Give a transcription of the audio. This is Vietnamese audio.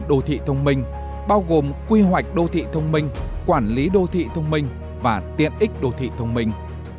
đô thị thông minh bao gồm quy hoạch đô thị thông minh quản lý đô thị thông minh và tiện ích đô thị thông minh